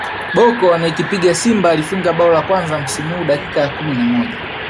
Bocco anayekipiga Simba alifunga bao la kwanza msimu huu dakika ya kumi na moja